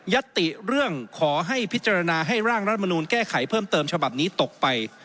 ติเรื่องขอให้พิจารณาให้ร่างรัฐมนูลแก้ไขเพิ่มเติมฉบับนี้ตกไป